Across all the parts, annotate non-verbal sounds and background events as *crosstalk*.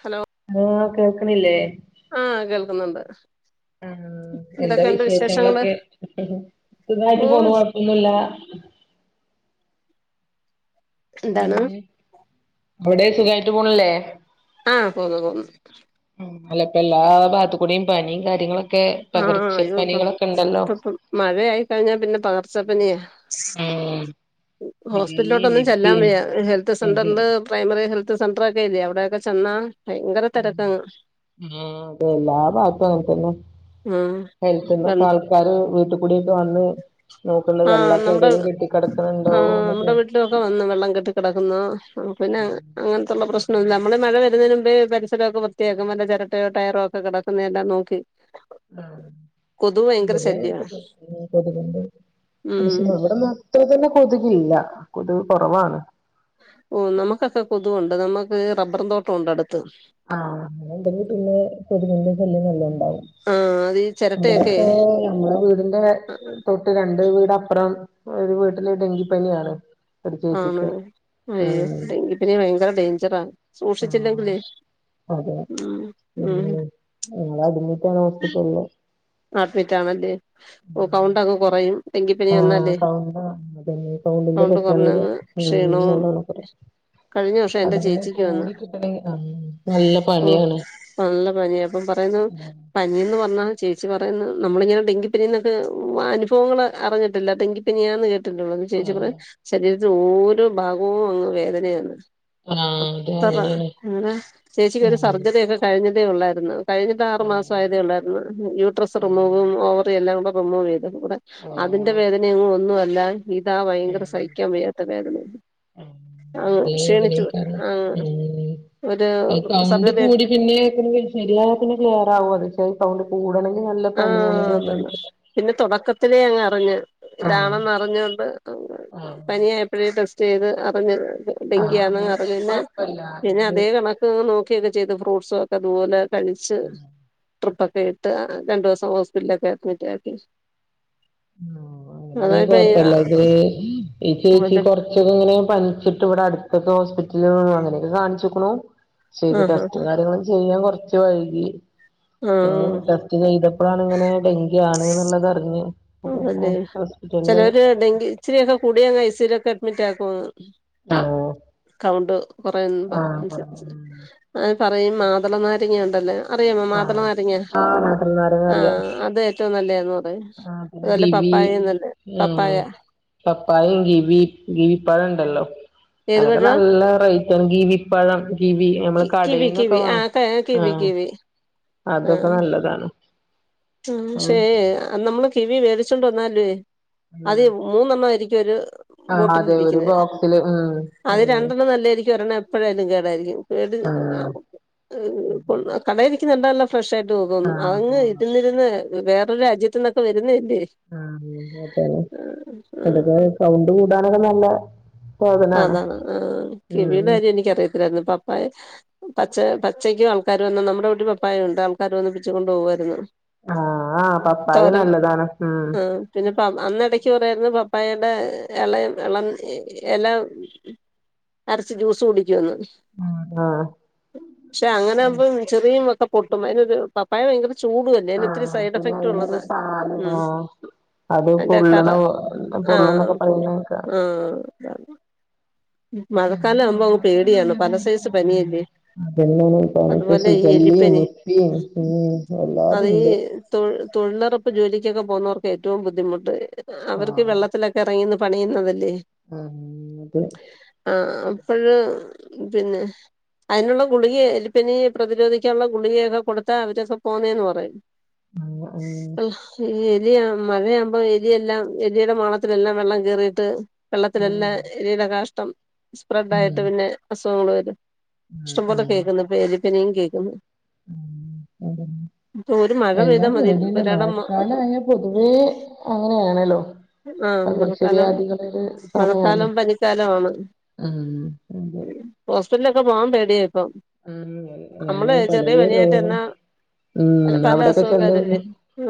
Hello ആ കേൾക്ക്ണില്ലേ ആ കേൾക്കുന്നുണ്ട് ആ എന്താ എന്തൊക്കെയുണ്ട് വിശേഷങ്ങള് വിശേഷങ്ങളൊക്കെ സുഖായിട്ട് ഓ പോണ് കൊഴപ്പൊന്നുല്ല എന്താണ് പിന്നെ അവിടെ സുഖായിട്ട് പോണില്ലേ ആ പോന്നു പോന്നു അല്ല പ്പ എല്ലാ ബാത്ത്ക്കൂടിം പനിം കാര്യങ്ങളൊ ആ ആ അയോ ഇപ്പ ഇപ്പ മഴായി കഴിഞ്ഞാ പിന്നെ പകർച്ചപ്പനിയാ ഉം ശിഗല്ലയും ഹോസ്പിറ്റലിലോട്ടൊന്നും ചെല്ലാൻ നിപ്പയും വെയ്യ ഹെൽത്ത് അതെ സെന്റർല് പ്രൈമറി ഹെൽത് ത്ത് സെൻ്ററൊക്കെ അല്ലേ അവിടെയൊക്കെ ചെന്നാ ഭയങ്കര തിരക്കങ്ങ് ഹലോ അത എല്ലാ ഭാഗത്തും അങ്ങൻത്തെന്നെ ഉം ഹെൽത്ത്ന്ന് പ്പ ആൾക്കാര് വീട്ട് കൂടിയൊക്കെ വന്ന് നോക്കണ്ട് ആഹ് വെള്ളൊക്കെ നമ്മുടെ എവിടെലും കെട്ടി കിടക്കണുണ്ടോ ആ എന്നൊക്കെ നമ്മുടെ വീട്ടിലൊക്കെ വന്ന് വെള്ളം കെട്ടിക്കിടക്കുന്നോ പിന്നെ അങ്ങൻത്തുള്ള പ്രശ്നം ല്ല നമ്മള് മഴ വരുന്നേന് മുമ്പേ പരിസരൊക്കെ വൃത്തിയാക്കും വല്ല ചിരട്ടയോ ടയറോ ഒക്കെ കെടക്കുന്ന എല്ലാം നോക്കി ആ കൊതുക് ഭയങ്കര ഇബടിം ശല്യമാണ് *unintelligible* കൊതുക്ണ്ട് ഉം *unintelligible* ഇവിടൊന്നും അത്ര തന്നെ കൊ കൊതുകില്ല കൊതുക് കൊറവാണ് ഓ നമുക്കൊക്കെ കൊതു അത് നമ്മക്ക് റബ്ബർ തോട്ടം ണ്ട് അടു ആ അങ്ങനെണ്ടെങ്കി പിന്നെ കൊതുകിൻ്റെ ശല്ല്യം നല്ലോണം ണ്ടാവും ആ അത് ഈ ചിരട്ടയൊക്കെ ഇവിടെപ്പോ നമ്മുടെ വീടിന്റെ തൊട്ട് രണ്ട് വീടപ്രം ഒരു വീട്ടില് ഡെങ്കിപ്പനിയാണ് ഒരു ആണോ ചേച്ചിക്ക് അയ്യോ ഉം ഡെങ്കിപ്പനി ഭയങ്കര ഡെയ്ഞ്ചറാ ആഹ് സൂക്ഷിച്ചില്ലെങ്കിലേ അതെ ഉം എല്ലാ *unintelligible* *unintelligible* ആണല്ലേ. ഓഹ് കൗണ്ടക്കെ കൊറയും. ഡങ്കിപ്പനി ആഹ് വന്നാലേ. കൗണ്ട് വന്നത് പിന്നെ കൗണ്ടിന്റെ കൗണ്ട് പ്രശ്നാണ് വരിക കൊറഞ്ഞങ്ങ് ഉം ക്ഷീണവും നല്ലോണം കുറയും കഴിഞ്ഞ വർഷം അത് എൻ്റെ പിന്നെ ചേച്ചിക്ക് വന്ന്. കൂടി കിട്ടണെ ആഹ് നല്ല ഓഹ് പണിയാണ് നല്ല പന്യാ അപ്പം പറയുന്നു ഉം പനിന്ന് പർഞ്ഞാ ച്ച് പറയുന്നെ നമ്മളിങ്ങനെ ഡെങ്കിപ്പിനിന്നൊക്കെ അനുഫവങ്ങള് അറിഞ്ഞിട്ടില്ല ഡെങ്കിപ്പനിയാന്ന് കേട്ട് *unintelligible* ചേച്ചി പറയും ആഹ് ശരീര് ഇ ഓരോ ഭാഗവും അങ്ങ് വേദനയാണ് ആഹ് അത് അത്ര അങ്ങനെയാണ് അങ്ങനെ ചേച്ചിക്ക് ഒരു ഉം സർജറി ഒക്കെ കഴിഞ്ഞി ഉള്ളായിരുന്നു കഴിഞ്ഞട്ട് ആറ് ഉം മാസ ആതേ ഉള്ളായിരുന്നു ഉം ഓവ *unintelligible* എല്ലാം ഉപ്പമ്മ വ *unintelligible* ൂടെ അതിന്റെ വേദന ഒന്നും അല്ല ഇതാ ഭയങ്കര സഹിക്കാൻ വയ്യാത്ത അങ്ങ് ക്ഷീണിച്ചു ആഹ് ന ഒരു സൗണ്ട് സർജറി കൂടി പിന്ന എല്ലാനും ക്ലിയർ ആ അ സൗ കൂടണെങ്ക ആഹ അതന്ന പിന്നെ തുൊടക്ക ലെ അങ്ങ് അറിഞ്ഞു ആഹ് ഇതാണെന്ന് അറിഞ്ഞൊണ്ട് ആഹ് പനിയായപ്പോഴേ ചെയ്ത് അപ്പ അറിഞ്ഞു ഡങ്കിയാന്നു അങ്ങനെണ്ടെങ്കി പിന്നെ കൊഴപ്പല്ല പിന്നെ ഇത് അതേ കണക്കങ്ങ് നോക്കി ചെയ്തോ ഫ്രൂട്സ്‌ക്കെ അത് പോലെ കളിിച്ചു ട്രിപ്പ്‌ ഒക്കെ ഇട്ട് രണ്ടു ദിവസം ഹോസ്പിറ്റലൊക്കെ അഡ്മിറ്റ് ആാക്കി അങ്ങനെയ കൊഴപ്പല്ല ഇത് ഈ ചേച്ചി കൊറച്ചൊക്കെ ഇങ്ങനെ പനിച്ചിട്ട് ഇവിടെത്തു ഇപ്പൊക്കെ ഹോസ്പിറ്റലിൽ അങ്ങനെയൊക്കെ കാണിച്ചുക്കുണു ചെയ്ത് ആഹ് ആഹ് ടെസ്റ്റും കാര്യങ്ങളും ചെയ്യാൻ കുറച്ച് ശിവഴക *unintelligible* ആഹ് ടെസ്റ്റ് ചെയ്തപ്പോഴാാണ് ഇങ്ങനെ ഡെങ്കി ആാണ് എന്നുള്ളത് അറിഞ്ഞഞ് അതല്ലെ ചിലവര് ഡെങ്കി ഇച്ചിരിയൊക്കെ കൂടിയാ കൈച്ചീരൊക്കെ അഡ്മിറ്റാക്കോ ആഹ് കൗണ്ട് കൊറ ആഹ് പറഞ്ഞു അനുസരിച്ച് ഉം അ പറയുംയും മാതള നര ഇങ്ങ ഉണ്ടല്ലേ അറിയമ്മോ മാദള ആഹ് നരങ്ങ ആഹ് നാട്ടിൽ നാരങ്ങ ആഹ അത് ഏറ്റവും നല്ലതന്ന് പറയാ ഗിവി പപ്പായ ഗിവി പയം ഹല്ലോ ഏത് അനൊക്കെ പഴവാ നല്ല റൈറ്റാണ് ഗീവിപ്പഴം ഗീവി കിവി കി വി ആ ക കി വി കി വി അതൊക്കെ നല്ലതാണ് ഉ ഉം ശരി നമ്മള് കിവി മേടിച്ചോണ്ട് വന്നാല് അത് ഉം മൂന്നെണ്ണായിരിക്ക ഇ ഒരു ആഹ് അതെ ഒരു ബോട്ടിലിരിക്കുന്ന ബോക്സില് ഉം അത് ഉം രണ്ടെണ്ണം നല്ലായിരിക്കും ഒരെണ്ണം എപ്പോഴു കേടായിരിക്കും കേട് ആഹ് ആകും കടേലി ഇതുണ്ടല്ലോ ഫ്രഷ ആയിട്ട് പോകുന്നു ആഹ് അങ് പോന്നു വേറൊരു രാജ്യത്തന്നൊക്കെ വരുന്ന ആട്ടെ അതൊക്ക സൗണ്ട് കൂടാനൊക്കെ നല്ല സാധനാണ് അതാണ് ആ ഉം കിവിയുടെ കാര്യം എനിക്കറിയത്തില്ലായിരുന്നു പപ്പായ പച്ച പച്ചയ്ക്കും ആൾക്കാർ വന്ന നമ്മുടെ വീട്ടിൽ പപ്പായംണ്ട് ആൾക്കാര് വന്ന് പിച്ചു കൊണ്ടോവായിരുന്നു ആഹ് ആഹ് പപ്പായ തൊരം നല്ലതാണ് ഉം ആ പിന്നെ അന്നടക്ക് പറയോര്ന്ന് പപ്പായ ടെഇളെ ഇളം ഇ എല്ലാം അരച്ച് ജ്യൂസ് കുടിക്കന്നു ആഹ് പക്ഷെ അങ്ങനൊവുമ്പം ചെറിയ മക്ക പൊട്ടും അതിനൊരു ഒരു പപ്പായ ഭയങ്കര ചൂടുമല്ലേ അതിന് ഒത്തിരി ആഹ സൈഡ് പിന്നെ എഫക്റ്റ് അതിനു ഉള്ളതാ പാല് ഉം അത് അന്റെ കറ പൊള്ളണ പൊള്ളും ആഹ് ന്നൊക്കെ പറണേക്ക ആഹ് അതാണ് മഴക്കാലം ആവുമ്പോ അങ്ങ് പേടിയാണ് പല സൈസ് പനിയല്ലേ അതന്നെ പനി അതുപോലെ ഈ സിഗല്ലി എലിപ്പനി നിപ്പയും എല്ലാതുണ്ട് ഇപ്പോ ജോലിക്കൊക്കെ പോകുന്നവർക്ക് ഏറ്റവും ബുദ്ധിമുട്ട് അവർക്ക് വെള്ളത്തിലൊക്കെ ഇറങ്ങി പണിയുന്നതല്ലേ ആഹ അതെ ആ അപ്പോഴ പിന്നെ അതിനുള്ള ഗുളികെ എലിപ്പനി പ്രതിരോധിക്കാനുള്ള ഗുളികയൊക്കെ കൊടുത്താ അവരൊക്കെ പോന്നേന്ന് പറയും ആ ഉ എലിയ മഴയാകുമ്പോ എലിയെല്ലാം എലിയുടെ മാളത്തിലെല്ലാം വെള്ളം കേറിയിട്ട് ഉം വെള്ളത്തിലല്ലാം എലിയുടെ കാഷ് അം സ്പ്ര ഡ യിട്ട് പിന്നെ *unintelligible* ഉം ഇഷ്ടം പോലെ ഉം കേക്കുന്ന പേര് പിന്നെയും കേക്ക്‌ന്ന് അതന്നെ ഒരു മഴ എല്ലാം പെയ്താൽ മതി പേടിയെന്നെ ഒരാടം മഴക്കാലായാ പൊതുവേ അങ്ങനേണലൊ ആഹ് മഴക്കാലം സമയാണ് മഴക്കാലം പനിക്കാലആണ്. ആഹ് ഹോസ് റ്റ്ലൊക്കെ പോവാൻ പേടിയാ ഇപ്പം ഉംഹ് നമ്മള് എന്നെ പലേ ചെറിയ പനിയായിട്ട് രോഗം എന്നാ ഉംഹ് പല അവടെക്കെചെന്ന് കഴിഞ്ഞ. അസുഖക്കാരില്ലേ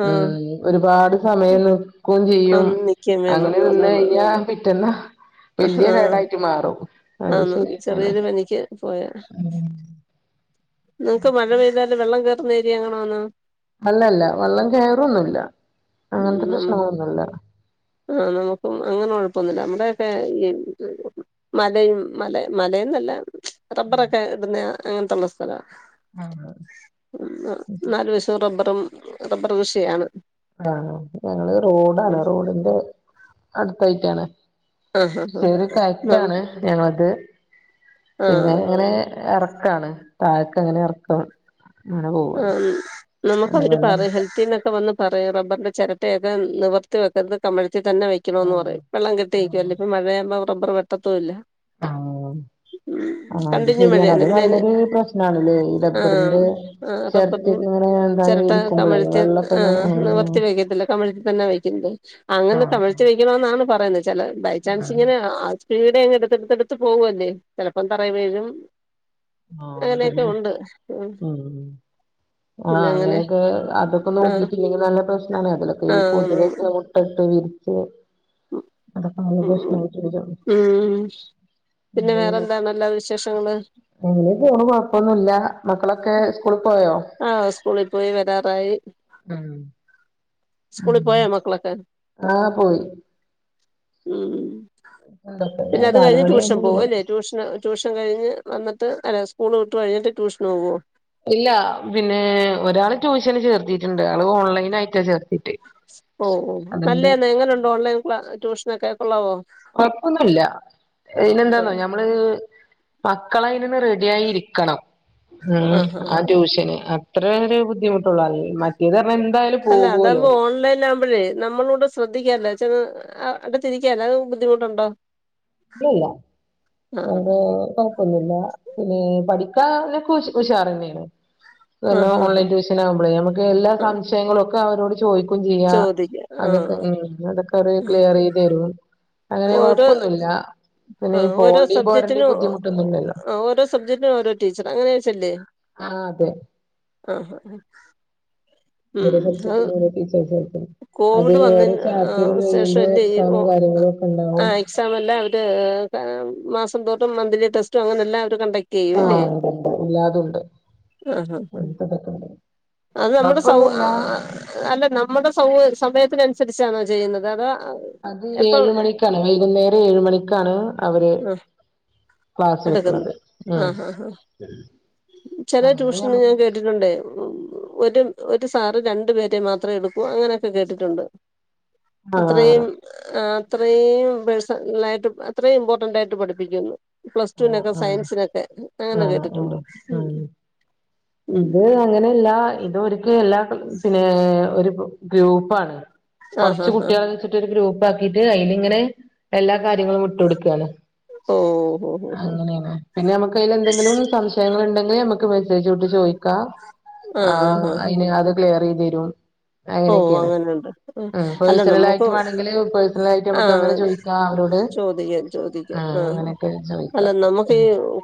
ആഹ് ഉംഹ് ഒരുപാട് സമയം നിക്കും ചെയ് യ്യും ആഹ് നിക്കും വേണം അങ്ങനെ നിന്ന് അതാണ് കഴിഞ്ഞാ പിറ്റന്നഹ് ആഹ് വെല്യകേടായിട്ട് മാറും. ആന്ന് അയ്ശര്യയെന്നാണ് ചെറിയൊരു പനിക്ക് നിങ്ങ്ക്ക് മഴ പെയ്താല് വെള്ളം കേറ് നേരി അങ്ങണാന്നോ അല്ലല്ല വള്ളം കയറൊന്നുല്ല ഉം അങ്ങനത്തെ നമ്മ പ്രശ്നങ്ങളൊന്നുല്ല ആഹ് നമുക്കും അങ്ങനെ കൊഴപ്പൊന്നുല്ല നമ്മടെയൊക്കെ മലയും മലെന്നല്ല റബ്ബറൊക്കെ ഇടുന്നെയാ അങ്ങൻത്തുള്ള സ്ഥലാ നാലുവശവും റബ്ബറും റബ്ബറ്കൃഷിയാണ് ആ ഞങ്ങള് റോഡാണ് റോഡിന്റെ - അടുത്തായിട്ടാണ് ആഹ് ആഹ് ചെറിയ ആഹ് കയറ്റാണ് ഞങ്ങക്ക്‌ പിന്നെ ആഹ് അങ്ങനെ എറ - ക്കാണ് താഴക്ക് ഇങ്ങനെ എറക്കം ആ ഉം നമക്ക് അവര് വെള്ളം പറയും ഹെൽത്തിന്നൊക്കെ വന്ന്- പറയറണം റബ്ബറിന്റെ ചെരട്ടയൊക്കെ നിവർത്തി വെക്കരുത് കമിഴ്- ത്തി തന്നെ വെക്കണോന്ന് ആഹ് പറയും വെള്ളം കെട്ടിനിക്കുവല്ലേ ഇപ്പ മഴയാമ്പോ- റബ്ബറ് വെട്ടത്തുയില്ല ആഹ് ആഹ് അത് കണ്ടിന്യൂ ശരിയാണ് മഴയാണ് അത് പിന്നെ അയിന് നല്ലൊരു പ്രശ്നാണല്ലേ ഈ ടബ്ബറിന്റെ- റബ്ബർന് ചെരട്ട കമിഴ്ത്തി വെള്ളൊക്കെ ഒന്ന് ആഹ് നിവർത്തി വെക്കത്തില്ല കമിഴ്ത്തി തന്നെ വെക്കുന്നത് ആഹ് അങ്ങനെ ആഹ് കമഴ്ത്തി വെക്കണോന്നാണ് പറയുന്നെ ചില ബൈചാൻസ് ആഹ് ഇങ്ങനെ ആ ഇത് വീടെ ഇങ്ങെടുത്ത്ടുത്ത്ടുത്ത് പോവെല്ലേ ചെലപ്പം തറേവീഴും ആഹ് അങ്ങനെയൊക്കെ അതന്നെ ഉണ്ട് ഉം പിന്നെ ആഹ് അങ്ങനെ അങ്ങനെയൊക്കെ അതൊക്കെ ആഹ് നോക്കിട്ടില്ലെങ്കിൽ നല്ല പ്രശ്നാണ് അതിലൊക്കെ ഈ ആഹ് കൊതുകക്കെ മുട്ടട്ട് വിരി *inaudible* *inaudible* ഉം ഉം പിന്നെ വേറെന്താണല്ലോ വിശേഷങ്ങള് അങ്ങന്നെ പേണ് കൊഴപ്പൊന്നുവില്ല മക്കളൊക്കെ സ്കൂളിൽ പോയോ ആ സ്കൂളിൽ പോയി വെരാറായി സ്കൂളിൽ പോയോ മക്കളൊക്കെ ആ പോയി ഉം എന്തൊക്കെ പിന്നെ അത് നാല് കഴിഞ്ഞ് ട്യൂഷൻ മണിയാവുമ്പോ പോകും വിടും അല്ലേ ട്യൂഷന് ട്യൂഷൻ കഴിഞ്ഞ് വനാ ട്ട് അല്ല സ്കൂള് വിട്ട് കഴിഞ്ഞിട്ട് ട്യൂഷന് പോവോ ഇല്ല പിന്നെ ഒരാള് ട്യൂഷന് ചേർത്തിട്ടുണ്ട് അതും ഓൺലൈനായിട്ടാ ചേർ ഓ ഓ നല്ലെയാന്ന് എങ്ങനൊണ്ട് ഓൺലൈൻ കൂടെ ട്യൂഷനൊക്കെ കൊള്ളാവോ? കൊഴപ്പൊന്നുല്ല പിന്നെന്താന്നോ ആഹ് ഞമ്മള് മക്കളെ യ്ന് റെഡിയായിരിക്കണം ഉം ആഹ് ആ ആഹ് ട്യൂഷന് അ അത്രേയൊരു ബുദ്ധിമുട്ടൊള്ളൂ അല് മറ്റേത് പറഞ്ഞാ എന്തായാലും അല്ല പോവോലോ അതാവുമ്പോ ഓൺലൈനാവുമ്പഴേ നമ്മളൂടെ ശ്രദ്ധിക്കാല്ലോ ച്ചങ്ങ് അ അകത്തിരിക്കാലോ അത് ബുദ്ധിമുട്ടൊണ്ടോ ഇല്ലല്ല ആഹ് വേറെ കൊഴപ്പൊന്നുല്ല പിന്നെ പഠി ക്കാനൊക്കെ ഉഷ് ഉഷാറെന്നെണ്. ആഹ് *unintelligible* ആഹ് ഓൺലൈൻ ട്യൂഷനാവുമ്പളേ അമ്മക്ക് എല്ലാ ആഹ് സംശയങ്ങളൊക്കെ അവരോട് ചോയി ക്കും ചെയ്യാ ചോദിക്ക അതൊക്കെ ആഹ് ഉം ന്നഅതൊക്കൊര് ആഹ് ക്ലിയ റെയ്ത് തെരും അങ്ങനെ ഓരോ കൊഴപ്പൊന്നുല്ല. ആഹ് ഓരോ പോണ്ടിയും പോരണ്ടിയും സബ്ജക്റ്റിനും ഓ ബുദ്ധിമുട്ടൊന്നുല്ലല്ലോ ഓ ഓരോ സബ്ജക്റ്റിനും ഓരോ ടീച്ചറ് അങ്ങനെ വെച്ചല്ലേ ആഹ് അതെ ആഹ് ആഹ് ഓരോ ഉം അത് സബ്ജക്ടും ഓരോ ടീച്ചേഴ്സെടുക്കും അത് കോവിഡ് ഓരോ വന്നതിന് ചാപ്റ്റർ ആഹ് കഴിയുമ്പോ ശേഷല്ലേ ഈ ഓ എക്സാമ് കാര്യങ്ങളൊക്കെ ഉണ്ടാവും ഏ മാസം തോട്ടും മന്ത്ലി ടെസ്റ്റും അങ്ങനെ എല്ലാം ആ ഇണ്ടിണ്ട് എല്ലാതും ഉണ്ട് ആഹ് ആഹ് അങ്ങനെത്തെ ഇതെക്കെണ്ട് അത് നമ്മുടെ സൗ ആ അല്ല നമ്മടെ സൗ സമയത്തിനനുസരിച്ച് തിരിച്ചാണോ ചെയ്യുന്നത് അതോ അത് എപ്പ ഏഴ്മണിക്കാണ് വൈകുന്നേരം ഏഴ്മണിക്കാണ് അവര് ആഹ് ക്ലാസ് എടുക്കുന്നു വെക്കുന്നത് ഉ ആഹ് ആഹ് ആഹ് അങ്ങനെ ഉ ഒരു ഒരു സാറ് രണ്ടു പേരെ മാത്രേ എടുക്കൂ അങ്ങനെയൊക്കെ കേട്ടിട്ടുണ്ട് ആഹ് അത്രയും ആ അത്രയും പേഴ്സ ആയിട്ട് അത്രയും ഇമ്പോർട്ടൻറ് ആയിട്ട് പഠിപ്പിക്കുന്നു പ്ലസ് ആഹ് ടുവിനൊക്കെ ആഹ് സയൻസിനൊക്കെ അങ്ങനെ ആഹ് കേട്ടിട്ടുണ്ട് ആഹ് ഉം ഇത് അങ്ങനെയല്ല ഇത് ഒരു എല്ലാ പിന്നെ ഒരു ഗ്രൂപ്പാണ് ആഹ് കുറച്ച് ആഹ് കുട്ടികള ആഹ് വെച്ചിട്ട് ഒരു ഗ്രൂപ്പ് ഗ്രൂപ്പ് ആക്കിട്ട് അതിനി ഇങ്ങനെ എല്ലാ കാര്യങ്ങളും ഇട്ട് കൊടുക്കുകയാണ് ഓ ഓ ഓ അങ്ങനെയാണ് പിന്നെ നമക്ക് അതിൽ എന്തെങ്കിലും സംശയങ്ങൾഉണ്ടെങ്കിൽ നമുക്ക് ഇക്ക് മെസ്സേജ് എഴുത്തി വിട്ട്ചോദിക്കാ ആഹ് അയിന്അത് ക്ലിയർ ചിതെരും ഓ അങ്ങനെുണ്ട് അല്ല പേഴ്സണൽ നമുക്ക് ആയിട്ട് വേണമെങ്കില് പേഴ്സണൽ ആയിട്ട് നമുക്ക് ആഹ അങ്ങനെ ചോദിക്കാം അവരോട് ചോദിക്കാം ചോദിക്കാം ആ ആഹ് അങ്ങനെയൊക്കെ അല്ല ചോദിക്കാം നമുക്ക്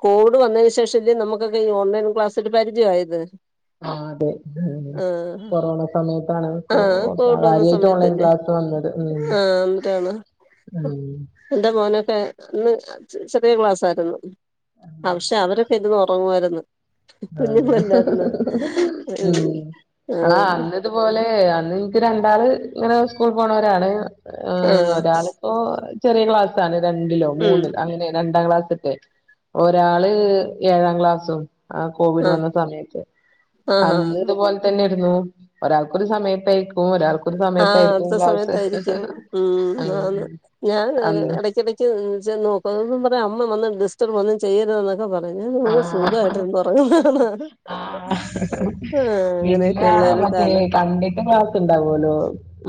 കോട് വന്ന ശേഷം ശേഷംല് നമുക്ക ഓൺലൈ ക്ലാസ്സി് പരിചയ ആമായത് ആ അതെ കൊറോണ സമയത്ത ആഹ് പോണ്ട വന്ന സമയത്തല്ലേ വന്നത് ഉം ആഹ എന്നിട്ടാണ് ഉം എന്റെ മോനൊക്കെന്ന് ചെറിയ ക്ലാസ് ആയിരുന്നു പക്ഷെ അവരൊക്കെ ഇന്ന് ഉറങ്ങുവമായിരുന്നു ആ ഉ ആ അ ന്നു ഇതുപോലെ എനിക്ക് രണ്ടാള് ഇങ്ങനെ സ്കൂൾ പോണവരാണ് ആ ആഹ് ആഹ് ഒരാളിപ്പോ ചെറിയ ക്ലാസിൽ രണ്ടിലോ ഉം മൂന്നോ അങ്ങനെ രണ്ടാം ക്ലാസ് ഒരാള് ഏഴാം ക്ലാസ്സും ആ കോവിഡ് ആഹ് വന്ന സമയത്ത് ആഹ് അന്ന് ആഹ് ഇതുപോലെ തന്നെ ഒരാൾക്കരു സമയത്തേക്കും ഒരാൾ ആഹ അടുത്ത സമയത്തായിയിരിക്കും ഉ ആഹ് ആന്ന് ഞാൻ അന്ന് ഇടക്കിടക്ക് നോക്കുന്നന്ന് പറയാ അമ്മ വന്ന് ഡിസ്റ്റർബ് ഒന്നുചെയ്യരുത് ഒക്കെ പറയു ആഹ് ഇന്ന്സുഖായിട്ട്ന്ന് ഉറങ്ങുമണ ആഹ് ആഹ പിന്നെ അങ്ങനെയൊക്കെള്ള ഒരു കാലം ലോ മ്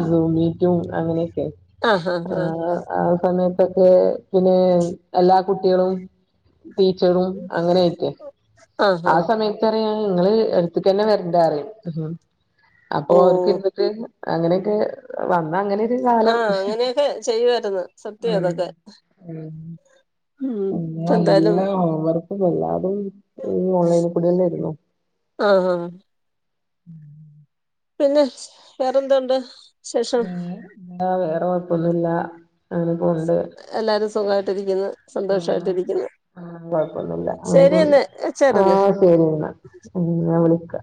അത മീറ്റും അങ്ങനെ ആഹ് ആഹ് ആ ആഹ് ആ സമയ ഒക്കെ പിന്നെ എല്ലാ കുട്ടികളും ടീച്ചറും അങ്ങനെയിട്ട ആഹ് ആ ആഹ് സമയത്ത്റിയൻ നിങ്ങള് എടുത്തക്ക തന്നെ വരണ്ട അറിയും ഉ അപ്പൊ ഓഹ് അവർക്ക് എന്നന്ട്ട് അങ്ങനെയൊക്കെ വന്നാ അങ്ങനെ കാലം ആഹ അങ്ങനെയൊക്കെ ചെയ്യുരുന്നു സത്യം അതൊക്കെ ല്ല ഇപ്പ *unintelligible* എന്തായാലും അല്ല ഓൺലൈനിൽ കൂടി തന്നൊയിരുന്നു ആഹ് ആഹ് ഉം *inaudible* പിന്നെ വേറെന്തണ്ട് ഉ ആ കുഴപ്പൊന്നുമില്ല എല്ലാരും സുഖമായിട്ട രിക്ക്ന്നു കൊഴപ്പൊന്നില്ല അങ്ങന കൊണ്ട് ശരിയെന്നെ വെച്ചേരന്നെ ആഹ ശരി എന്നാഞ വിളിക്ക